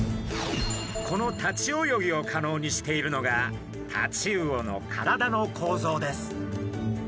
この立ち泳ぎを可能にしているのがタチウオの体の構造です。